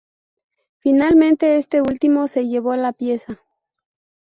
Finalmente este último se llevó la pieza.